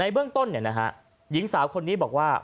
เรื่องต้นเนี่ยนะครับหญิงสาวคนนี้บอกว่า